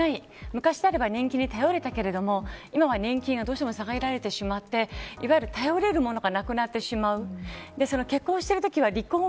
昔であれば年金に頼るたけれども今はどうしても年金が下げられてしまって頼れるものがなくなってしまう。